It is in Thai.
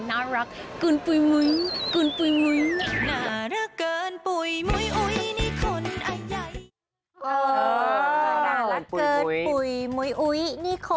น่ารักมาก